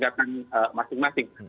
dan tingkatan masing masing